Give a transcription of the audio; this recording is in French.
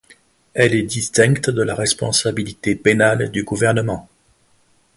Elle est distincte de la responsabilité pénale du Gouvernement.